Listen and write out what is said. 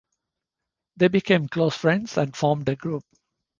They became close friends and formed a group.